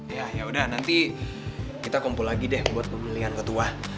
ya yaudah nanti kita kumpul lagi deh buat pemilihan ketua